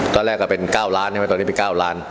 ตอนแรกก็เป็นเก้าล้านใช่ไหมตอนนี้เป็นเก้าล้าน